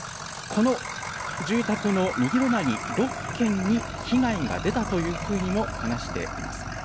この住宅の右隣６軒に被害が出たというふうにも話しています。